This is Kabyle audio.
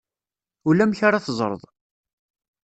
Ulamek ara teẓreḍ.